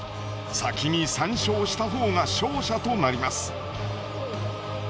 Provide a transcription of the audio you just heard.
先に３勝した方が勝者となります。